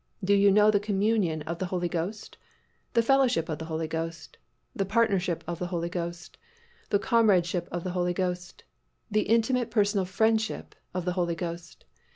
Do you know the communion of the Holy Ghost? The fellowship of the Holy Ghost? The partnership of the Holy Ghost? The comradeship of the Holy Ghost? The intimate personal friendship of the Holy Ghost?